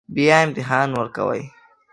بیا امتحان ورکوئ